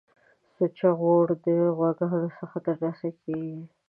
سوچه غوړی د غواګانو څخه ترلاسه کیږی